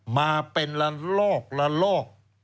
มาเป็นละลอกละลอก